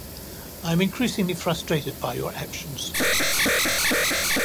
I am increasingly frustrated by your actions.